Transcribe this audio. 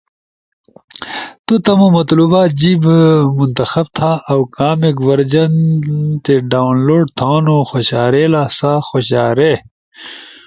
تو تمو مطلوبہ جیب منتخب تھا اؤ کامیک ورژن تو ڈاونلوڈ تھونو خوشارئیلا سا خوشارے۔